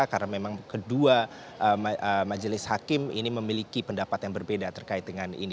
karena memang kedua majelis hakim ini memiliki pendapat yang berbeda terkait dengan ini